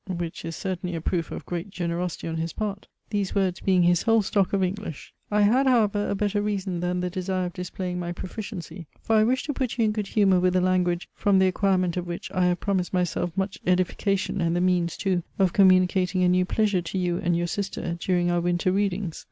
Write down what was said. which is certainly a proof of great generosity on his part, these words being his whole stock of English. I had, however, a better reason than the desire of displaying my proficiency: for I wished to put you in good humour with a language, from the acquirement of which I have promised myself much edification and the means too of communicating a new pleasure to you and your sister, during our winter readings.